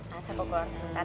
mas aku mau keluar sebentar